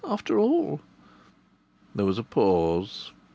After all ..." There was a pause.